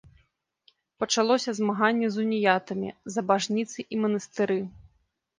Пачалося змаганне з уніятамі за бажніцы і манастыры.